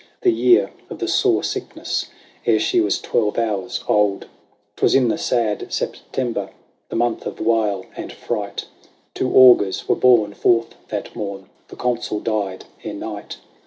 The year of the sore sickness, ere she was twelve hours old. 'Twas in the sad September, the month of wail and fright, Two augurs were borne forth that mom ; the Consul died ere night.